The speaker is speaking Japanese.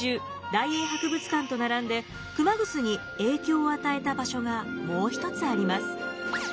大英博物館と並んで熊楠に影響を与えた場所がもう一つあります。